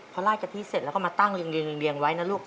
พอลาดกะทิเสร็จแล้วก็มาตั้งเรียงไว้นะลูก